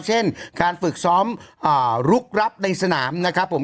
เช่นการฝึกซ้อมลุกรับในสนามนะครับผม